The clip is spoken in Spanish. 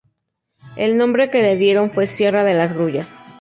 El nombre que le dieron fue sierra de las Grullas.